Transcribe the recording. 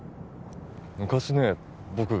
昔ね僕